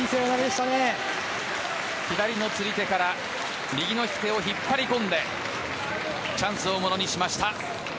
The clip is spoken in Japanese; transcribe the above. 左の釣り手から右の引き手を引っ張り込んでチャンスをものにしました。